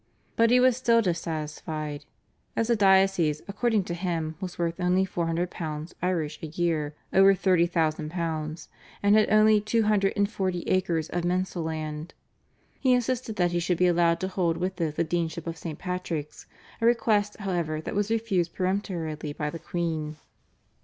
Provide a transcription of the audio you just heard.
But he was still dissatisfied. As the diocese, according to him, was worth only £400 (Irish) a year (over £30,000) and had only two hundred and forty acres of mensal land, he insisted that he should be allowed to hold with it the Deanship of St. Patrick's, a request, however, that was refused peremptorily by the queen.